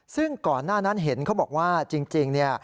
ซึ่งก่อนหน้านั้นเห็นเขาบอกว่าจริง